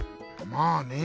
まあね。